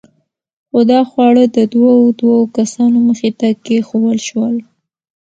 خو دا خواړه د دوو دوو کسانو مخې ته کېښوول شول.